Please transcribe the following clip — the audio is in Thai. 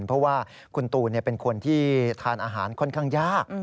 เพราะว่าคุณตูนเป็นคนที่ทานอาหารค่อนข้างยาก